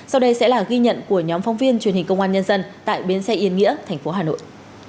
sau đây sẽ là ghi nhận của nhóm phóng viên truyền hình công an nhân dân tại bến xe yên nghĩa tp hà nội